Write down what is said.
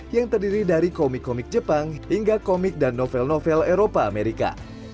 yang terdiri dari komik komik jepang hingga komik dan novel novel eropa amerika